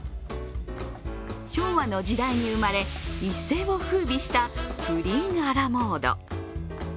昭和の時代に生まれ一世を風靡したプリンアラモード。